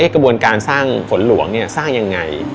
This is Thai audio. กระบวนการสร้างฝนหลวงสร้างยังไง